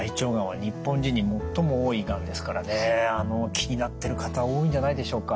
気になってる方多いんじゃないでしょうか？